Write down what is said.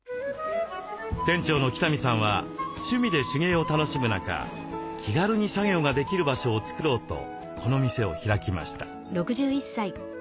店長の喜多見さんは趣味で手芸を楽しむ中気軽に作業ができる場所を作ろうとこの店を開きました。